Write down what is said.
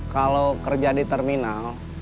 kalau kerja di terminal